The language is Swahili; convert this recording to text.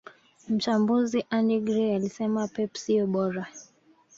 Mchambuzi Andy Gray alisema pep siyo bora